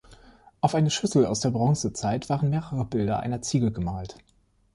Auf eine Schüssel aus der Bronzezeit waren mehrere Bilder einer Ziege gemalt.